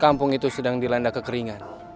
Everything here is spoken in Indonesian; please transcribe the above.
kampung itu sedang dilanda kekeringan